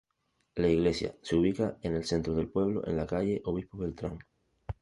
La iglesia se ubica en el centro del pueblo, en la calle Obispo Beltrán.